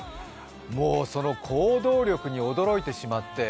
もう、その行動力に驚いてしまって。